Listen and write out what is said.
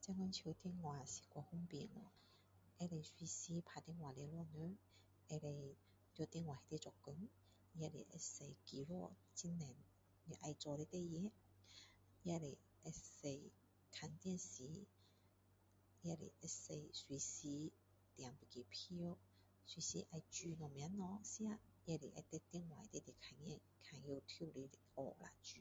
现今手电话实太方便哦可以随时打电话联络人可以在电话里面做工也是可以记录很多你要做的事情也是可以看电视也是可以随时订飞机票随时要煮什么东西吃也是在电话里面看 youtube 里学了煮